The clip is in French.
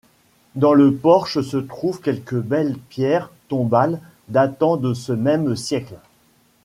Dans le porche se trouvent quelques belles pierres tombales datant de ce même siècle.